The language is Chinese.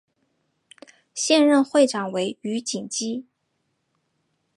现任会长为余锦基。